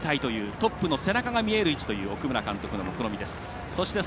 トップの背中が見える位置という奥村監督のもくろみ。